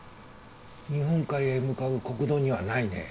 日本海へ向かう国道にはないね。